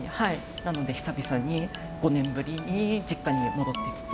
なので久々に５年ぶりに実家に戻ってきて。